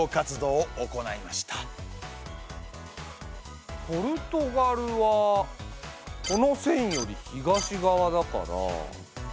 ちなみにポルトガルはこの線より東側だから。